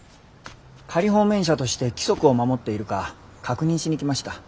仮放免者として規則を守っているか確認しに来ました。